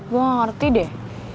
gue gak ngerti deh